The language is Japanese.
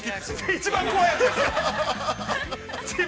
◆一番怖いやつです。